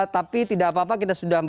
tapi tidak apa apa kita sudah